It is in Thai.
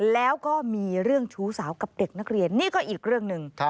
แล้วก็มีเรื่องชู้สาวกับเด็กนักเรียนนี่ก็อีกเรื่องหนึ่ง